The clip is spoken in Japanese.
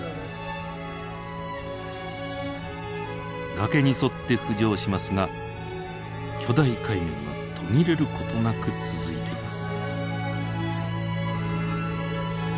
崖に沿って浮上しますが巨大カイメンは途切れる事なく続いています。